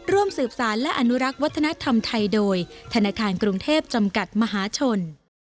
ร่วมสืบสารและอนุรักษ์วัฒนธรรมไทยโดยธนาคารกรุงเทพจำกัดมหาชน